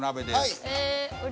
はい。